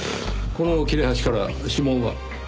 この切れ端から指紋は？